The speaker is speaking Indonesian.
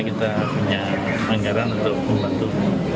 kita punya anggaran untuk membantu